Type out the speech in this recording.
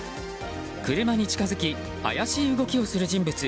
車に近づき怪しい動きをする人物。